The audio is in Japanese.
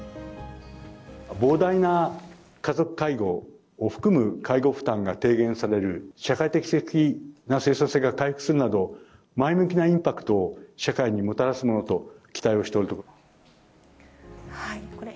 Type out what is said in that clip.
膨大な家族介護を含む介護負担が低減される、社会的な生産性が回復するなど、前向きなインパクトを社会にもたらすものと期待をしておるところ。